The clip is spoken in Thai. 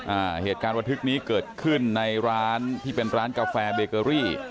อ่าเหตุการณ์ระทึกนี้เกิดขึ้นในร้านที่เป็นร้านกาแฟเบเกอรี่